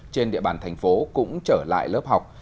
trên địa bàn thành phố cũng trở lại lớp học